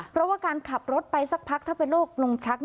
เพราะว่าการขับรถไปสักพักถ้าเป็นโรคลมชัก